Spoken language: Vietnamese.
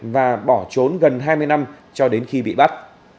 và bỏ trốn gần hai mươi năm cho đến khi bị bắt